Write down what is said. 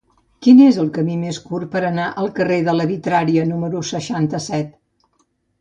Quin és el camí més curt per anar al carrer de la Vitrària número seixanta-set?